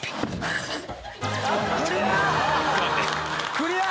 クリア。